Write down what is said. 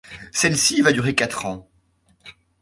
Celle-ci va durer quatre ans.